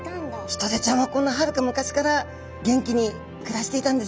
ヒトデちゃんはこんなはるか昔から元気に暮らしていたんですね。